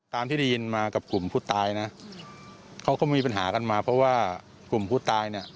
ตามที่ได้ยินมากับกลุ่มผู้ตายนะเขาก็มีปัญหากันมาเพราะว่ากลุ่มผู้ตายเนี่ย